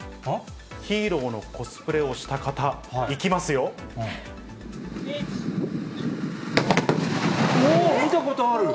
ヒーローのコスプレをした方、見たことある！